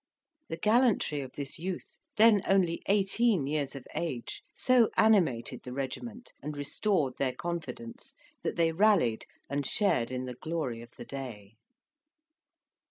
The gallantry of this youth, then only eighteen years of age, so animated the regiment, and restored their confidence, that they rallied and shared in the glory of the day.